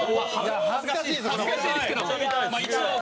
恥ずかしいですけどまあ一応。